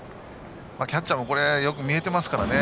キャッチャーもよく見えていますからね。